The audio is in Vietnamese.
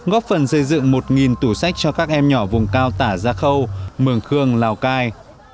góp phần xây dựng một tủ sách cho các em nhỏ vùng cao tả gia khâu mường khương lào cai